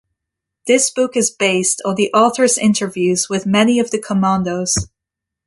This book is based on the author's interviews with many of the commandos.